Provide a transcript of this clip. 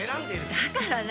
だから何？